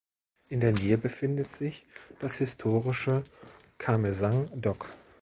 In der Nähe befindet sich das historische "Kamesang Dock".